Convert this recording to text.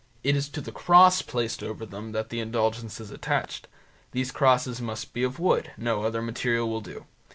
It is to the cross placed over them that the indulgence is attached. These crosses must be of wood; no other material will do.